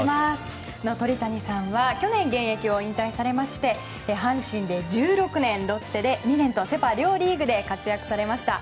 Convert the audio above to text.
鳥谷さんは去年現役を引退されまして阪神で１６年、ロッテで２年とセ・パ両リーグで活躍されました。